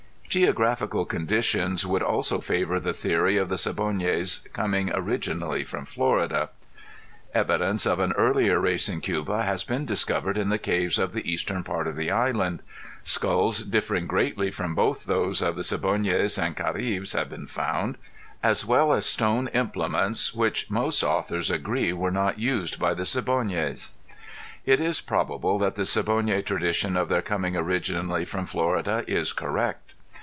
Geographical conditions would also favor the theory of the Siboneyes coming originally from Florida. Evidence of an earlier race in Cuba has been discovered in the caves of the eastern part of the island. Skulls differing greatly from both those of the Siboneyes and Caribes have been found, as well an stone implements, which most authors agree were not used by the Siboneyes. It is probable that the Siboney tradition of their coming originally from Florida is correct.